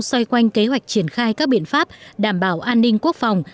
xoay quanh kế hoạch triển khai các biện pháp đảm bảo an ninh quốc phòng